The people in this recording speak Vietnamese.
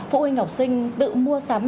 phụ huynh học sinh tự mua sắm